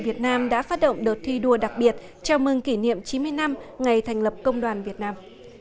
việt nam đã phát động đợt thi đua đặc biệt chào mừng kỷ niệm chín mươi năm ngày thành lập công đoàn việt nam